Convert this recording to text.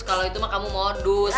kalau itu mah kamu modus